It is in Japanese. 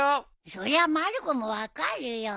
それはまる子も分かるよ。